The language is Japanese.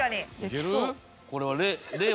いける？